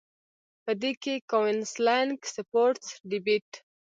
پۀ دې کښې کاونسلنګ ، سپورټس ، ډيبېټ ،